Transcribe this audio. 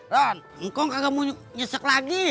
ron engkau gak mau nyesek lagi